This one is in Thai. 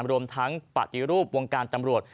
รวมทั้งปฏิรูปวงการตำรวจ